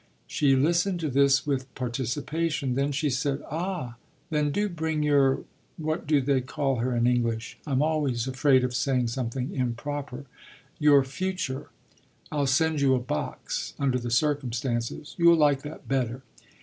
She listened to this with participation; then she said: "Ah then do bring your what do they call her in English? I'm always afraid of saying something improper your future. I'll send you a box, under the circumstances; you'll like that better."